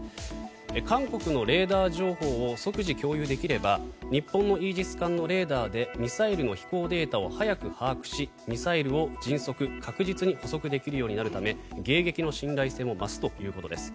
韓国のレーダー情報を即時共有できれば日本のイージス艦のレーダーでミサイルの飛行データを早く把握し、ミサイルを迅速確実に捕捉できるようになるため迎撃の信頼性も増すということです。